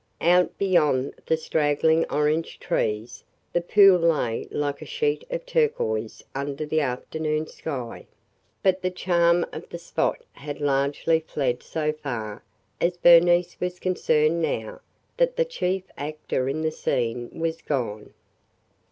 Out beyond the straggling orange trees the pool lay like a sheet of turquoise under the afternoon sky, but the charm of the spot had largely fled so far as Bernice was concerned now that the chief actor in the scene was gone.